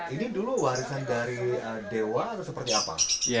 ini dulu warisan dari dewa atau seperti apa